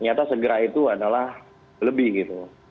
nyata segera itu adalah lebih gitu